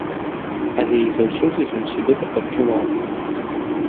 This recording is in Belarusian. Але і заўсёды ён сябе так адчуваў.